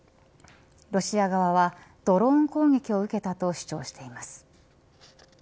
ロシア側はドローン攻撃を受けたと主張しています。